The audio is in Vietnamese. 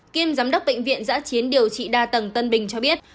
kiêm giám đốc bệnh viện giã chiến điều trị đa tầng tân bình cho biết